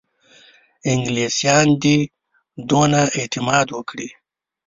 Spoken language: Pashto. انګلیسیان دي دونه اعتماد وکړي.